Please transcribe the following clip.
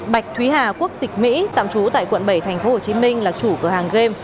bạch thúy hà quốc tịch mỹ tạm trú tại quận bảy tp hcm là chủ cửa hàng game